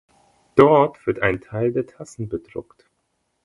Dort wird ein Teil der Tassen bedruckt.